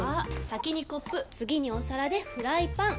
先にコップ次にお皿でフライパン！